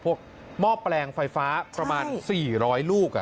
หม้อแปลงไฟฟ้าประมาณ๔๐๐ลูก